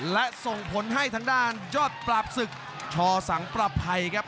และส่งผลให้ทางด้านยอดปราบศึกชอสังประภัยครับ